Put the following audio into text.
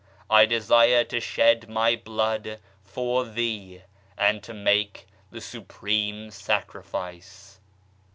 I desire to shed my blood for Thee, and to make the Supreme Sacrifice.